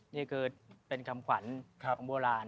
นี่คือเป็นคำขวัญของโบราณ